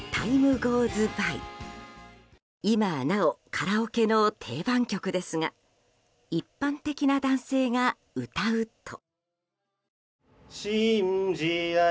今なおカラオケの定番曲ですが一般的な男性が歌うと。